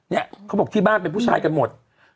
เนี่ยเขาบอกที่บ้านเป็นผู้ชายกันหมด